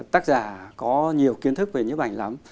tác giả có nhiều kiến thức về nhiếp ảnh lắm